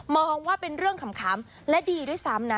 มองว่าเป็นเรื่องขำและดีด้วยซ้ำนะ